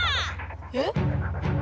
えっ？